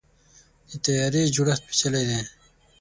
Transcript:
د طیارې جوړښت پیچلی دی.